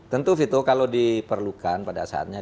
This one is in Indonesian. tentu vito kalau diperlukan pada saatnya